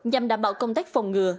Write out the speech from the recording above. nhằm đảm bảo công tác phòng ngừa